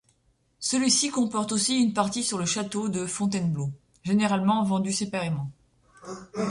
Celui-ci comporte aussi une partie sur le château de Fontainebleau, généralement vendue séparément.